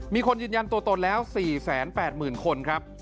มีคนยืนยันตัวตนแล้ว๔๘๐๐๐คนครับ